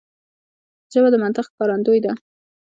ژبه د منطق ښکارندوی ده